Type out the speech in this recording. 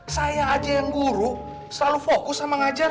saya aja yang guru selalu fokus sama ngajar